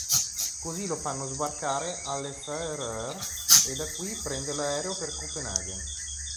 Così lo fanno sbarcare alle Fær Øer e da qui prende l'aereo per Copenaghen.